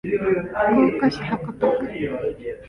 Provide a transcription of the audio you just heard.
福岡市博多区